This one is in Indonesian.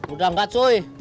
udah engga cuy